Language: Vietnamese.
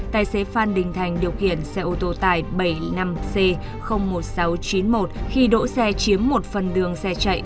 tài xế phan đình thành điều khiển xe ô tô tải bảy mươi năm c một nghìn sáu trăm chín mươi một khi đỗ xe chiếm một phần đường xe chạy